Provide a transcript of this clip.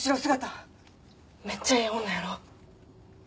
めっちゃええ女やろ？